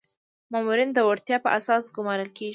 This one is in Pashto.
مامورین د وړتیا په اساس ګمارل کیږي